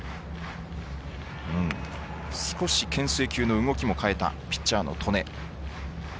少しけん制球の動きも変えたピッチャーの戸根。